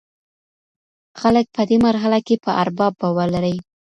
خلګ په دې مرحله کي په ارباب باور لري.